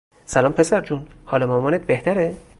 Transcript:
سلام پسرجون ، حال مامانت بهتره ؟